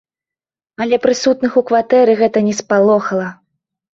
Але прысутных у кватэры гэта не спалохала.